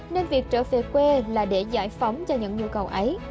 nên việc trở về quê là để giải phóng cho những nhu cầu ấy